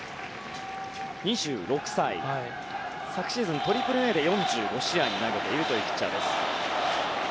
２６歳、昨シーズン３Ａで４６試合投げているピッチャーです。